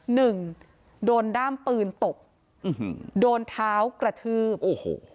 หนึ่งโดนด้ามปืนตบอืมโดนเท้ากระทืบโอ้โห